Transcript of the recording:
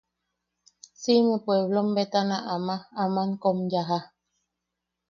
Siʼime puepplom betana ama... aman kom yaja.